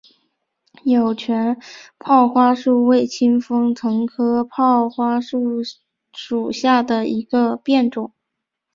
有腺泡花树为清风藤科泡花树属下的一个变种。